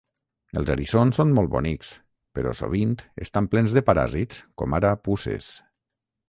Els eriçons són molt bonics, però sovint estan plens de paràsits com ara puces.